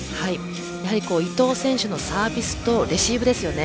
やはり伊藤選手のサービスとレシーブですよね。